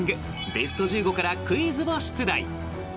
ベスト１５からクイズを出題。